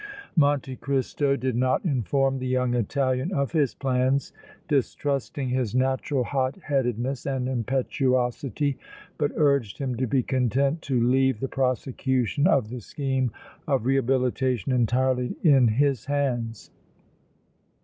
Monte Cristo did not inform the young Italian of his plans, distrusting his natural hot headedness and impetuosity, but urged him to be content to leave the prosecution of the scheme of rehabilitation entirely in his hands.